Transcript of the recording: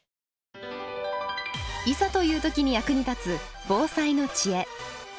いざという時に役に立つ防災の知恵。